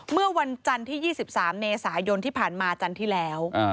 เมื่อวันจันทร์ที่๒๓เมษายนที่ผ่านมาจันทร์ที่แล้ว